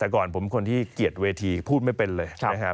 แต่ก่อนผมเป็นคนที่เกียรติเวทีพูดไม่เป็นเลย